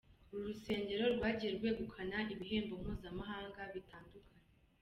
Uru rusengero rwagiye rwegukana ibihembo mpuzamahanga bitandukanye.